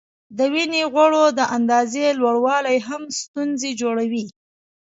د وینې غوړو د اندازې لوړوالی هم ستونزې جوړوي.